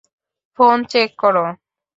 Phone check করো।